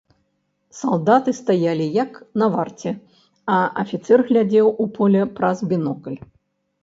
Салдаты стаялі, як на варце, а афіцэр глядзеў у поле праз бінокль.